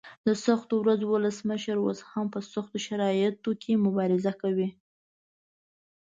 د سختو ورځو ولسمشر اوس هم په سختو شرایطو کې مبارزه کوي.